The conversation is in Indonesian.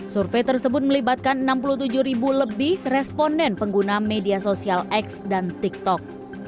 survei tersebut melibatkan enam puluh tujuh ribu lebih responden pengguna media sosial x dan tiktok